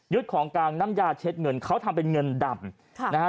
ยุทธ์ของกรางนำยาเช็ดเงินเขาทำเป็นเงินดำ